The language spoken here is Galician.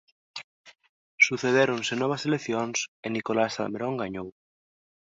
Sucedéronse novas eleccións e Nicolás Salmerón gañou.